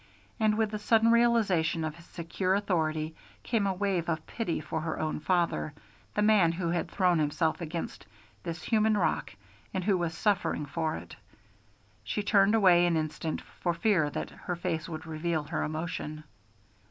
And with the sudden realization of his secure authority came a wave of pity for her own father, the man who had thrown himself against this human rock and who was suffering for it. She turned away an instant for fear that her face would reveal her emotion.